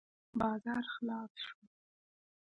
بازار خلاص شو.